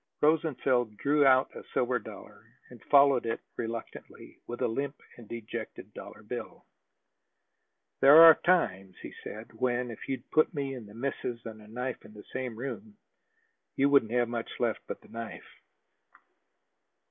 Rosenfeld drew out a silver dollar, and followed it reluctantly with a limp and dejected dollar bill. "There are times," he said, "when, if you'd put me and the missus and a knife in the same room, you wouldn't have much left but the knife."